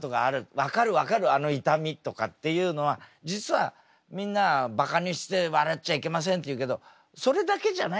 分かる分かるあの痛みとかっていうのは実はみんなはバカにして笑っちゃいけませんって言うけどそれだけじゃないんだよね